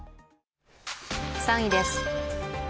３位です。